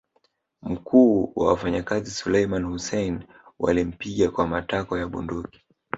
Mkuu wa wafanyikazi Suleiman Hussein walimpiga kwa matako ya bunduki